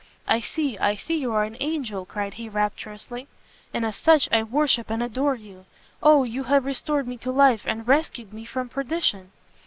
"I see, I see you are an angel!" cried he, rapturously, "and as such I worship and adore you! O you have restored me to life, and rescued me from perdition!"